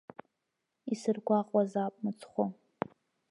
Исыргәаҟуазаап мыцхәы.